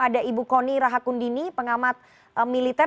ada ibu kony rahakundini pengamat militer